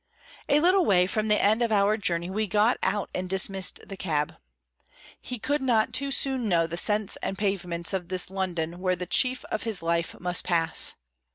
A little way from the end of our journey we got out and dismissed the cab. He could not too soon know the scents and pavements of this London where the chief of his life must pass.